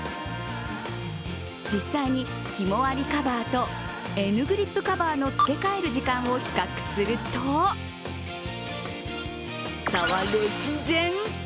実際に、ひもありカバーとＮグリップカバーの付け替える時間を比較すると差は歴然。